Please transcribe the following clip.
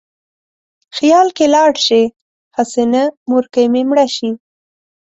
خیال کې لاړ شې: هسې نه مورکۍ مې مړه شي